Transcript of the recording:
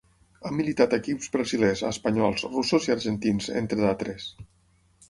Ha militat a equips brasilers, espanyols, russos i argentins, entre d'altres.